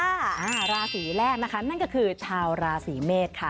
อ่าราศีแรกนะคะนั่นก็คือชาวราศีเมษค่ะ